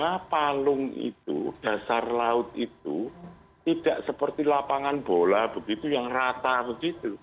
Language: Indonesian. karena palung itu dasar laut itu tidak seperti lapangan bola begitu yang rata begitu